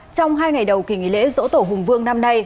trong hai ngày đầu kỳ nghỉ lễ dỗ tổ hùng vương năm nay